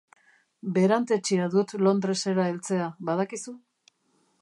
Berantetsia dut Londresera heltzea, badakizu?